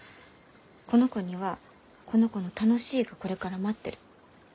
この子にはこの子の楽しいがこれから待ってる。